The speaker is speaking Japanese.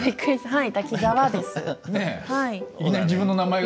はい。